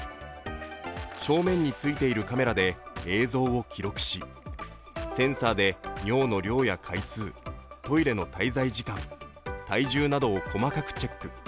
正面についているカメラで映像を記録しセンサーで尿の量や回数、トイレの滞在時間、体重などを細かくチェック。